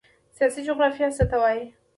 سیاسي جغرافیه څه ته وایي؟